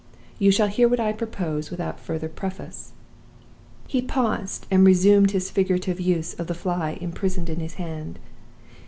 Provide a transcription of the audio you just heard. You shall hear what I propose, without further preface.' He paused, and resumed his figurative use of the fly imprisoned in his hand.